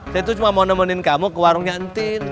saya tuh cuma mau nemenin kamu ke warungnya entin